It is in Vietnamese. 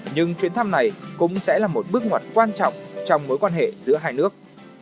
nhưng chuyến thăm này cũng sẽ là một bước ngoặt quan trọng trong mối quan hệ giữa hai nước